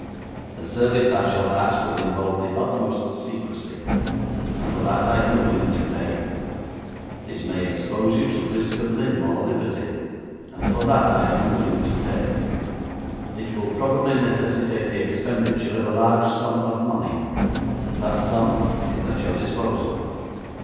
The service I shall ask will involve the utmost secrecy, and for that I am willing to pay. It may expose you to risk of limb or liberty, and for that I am willing to pay. It will probably necessitate the expenditure of a large sum of money; that sum is at your disposal.'